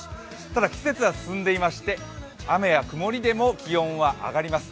ただ、季節は進んでいまして雨や曇りでも気温は上がります。